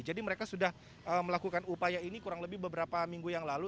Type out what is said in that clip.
jadi mereka sudah melakukan upaya ini kurang lebih beberapa minggu yang lalu